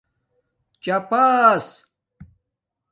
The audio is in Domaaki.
چپݳس